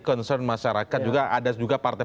concern masyarakat juga ada juga partai